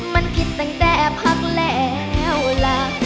มันคิดตั้งแต่พักแล้วล่ะ